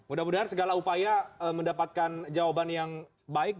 mudah mudahan segala upaya mendapatkan jawaban yang baik